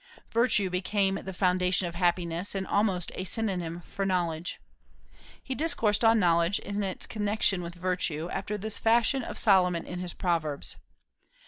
Virtue became the foundation of happiness, and almost a synonym for knowledge. He discoursed on knowledge in its connection with virtue, after the fashion of Solomon in his Proverbs.